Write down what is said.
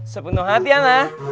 sepenuh hati anak